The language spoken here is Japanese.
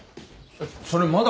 それまだ。